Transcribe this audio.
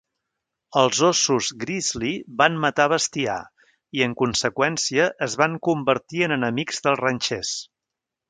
Els ossos "grizzly" van matar bestiar i, en conseqüència, es van convertir en enemics dels ranxers.